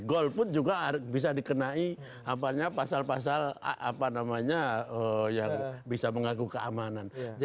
golput juga bisa dikenai pasal pasal yang bisa mengaku keamanan